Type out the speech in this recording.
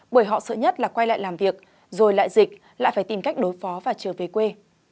bởi họ sợ nhất là quay lại làm việc rồi lại dịch lại phải tìm cách đối phó và trở về quê